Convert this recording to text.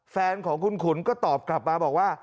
แฟนของคุณขุนก็ตอบกลับมาบอกว่า